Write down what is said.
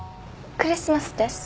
クリスマスです。